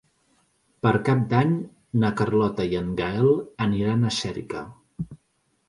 Per Cap d'Any na Carlota i en Gaël aniran a Xèrica.